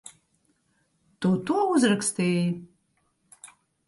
Tu to uzrakstīji?